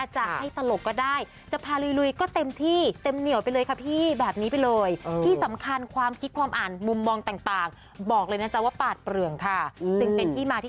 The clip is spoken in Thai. จะให้ตลกก็ได้จะพาลุยก็เต็มที่เต็มเหนียวไปเลยค่ะพี่